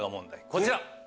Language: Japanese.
こちら。